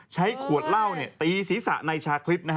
ใช้ขวดเหล้าตีศีรษะในชาคริสต์